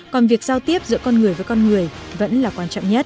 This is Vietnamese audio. còn việc giao tiếp giữa con người với con người vẫn là quan trọng nhất